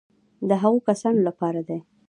د هغو کسانو لپاره دي.